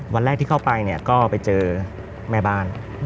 วันแรกที่เข้าไปเนี่ยก็ไปเจอแม่บ้าน